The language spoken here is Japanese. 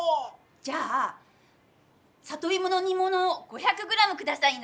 じゃあ「サトイモのにもの」５００ｇくださいな。